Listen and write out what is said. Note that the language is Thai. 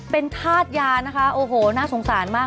เป็นธาตุยานะคะโอ้โหน่าสงสารมาก